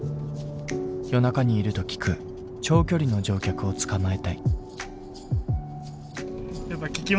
夜中にいると聞く長距離の乗客をつかまえたい。